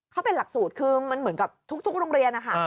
เขาเป็นหลักสูตรคือมันเหมือนกับทุกโรงเรียนนะคะ